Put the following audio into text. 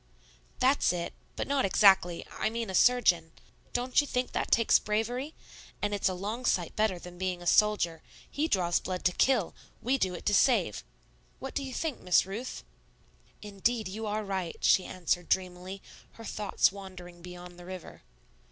"That's it but not exactly I mean a surgeon. Don't you think that takes bravery? And it's a long sight better than being a soldier; he draws blood to kill, we do it to save. What do you think, Miss Ruth?" "Indeed, you are right," she answered dreamily, her thoughts wandering beyond the river.